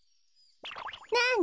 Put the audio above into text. なに？